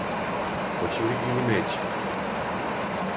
Хоће ли или неће?